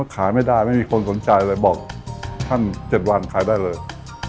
ขายไม่ได้ไม่มีคนสนใจเลยบอกท่าน๗วันขายได้เลย